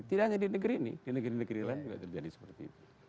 tidak hanya di negeri ini di negeri negeri lain juga terjadi seperti itu